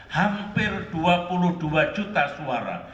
hampir dua puluh dua juta suara